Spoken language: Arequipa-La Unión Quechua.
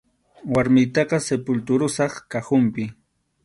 Warmiytaqa sepulturasaq cajonpi.